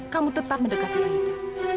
kamu tetap mendekati aida